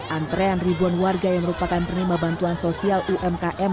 antrean ribuan warga yang merupakan penerima bantuan sosial umkm